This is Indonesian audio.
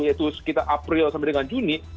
yaitu sekitar april sampai dengan juni